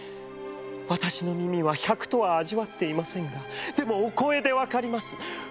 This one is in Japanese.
私の耳は百とは味わっていませんがでもお声でわかります。